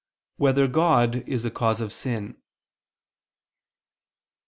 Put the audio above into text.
1] Whether God Is a Cause of Sin?